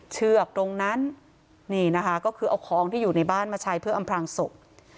เชือกตรงนั้นนี่นะคะก็คือเอาของที่อยู่ในบ้านมาใช้เพื่ออำพลางศพ